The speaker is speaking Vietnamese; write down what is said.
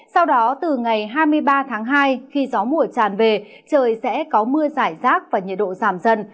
sau đó từ ngày hai mươi ba tháng hai khi gió mùa tràn về trời sẽ có mưa giải rác và nhiệt độ giảm dần